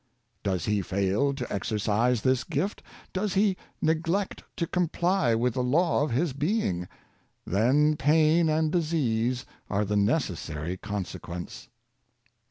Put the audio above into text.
Does he fail to exercise this gift— does he neglect to comply with the law of his being — then pain and disease are the necessary consequence.